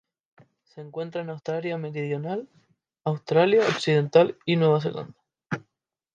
Se encuentra en Australia Meridional, Australia Occidental y Nueva Zelanda.